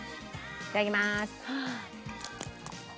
いただきます。